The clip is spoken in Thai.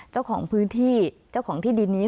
เจ้าของพื้นที่เจ้าของที่ดินนี้